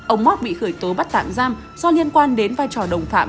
ông móc bị khởi tố bắt tạm giam do liên quan đến vai trò đồng phạm